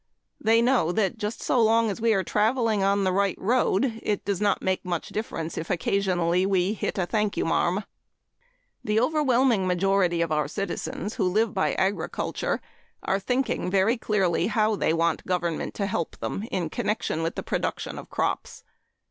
They know that just so long as we are traveling on the right road, it does not make much difference if occasionally we hit a "Thank you marm." The overwhelming majority of our citizens who live by agriculture are thinking very clearly how they want government to help them in connection with the production of crops.